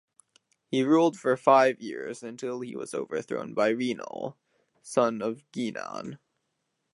He ruled for five years, until he was overthrown by Rinnal, son of Genann.